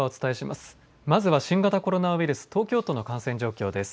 まずは新型コロナウイルス、東京都の感染状況です。